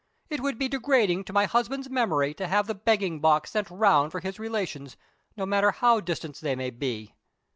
It would be degrading to my husband's memory to have the begging box sent round for his relations, no matter how distant they may be.